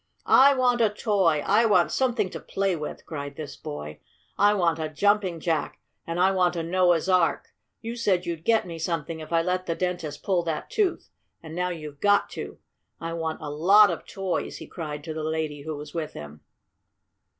"I want a toy! I want something to play with!" cried this boy. "I want a Jumping Jack and I want a Noah's Ark! You said you'd get me something if I let the dentist pull that tooth, and now you've got to! I want a lot of toys!" he cried to the lady who was with him.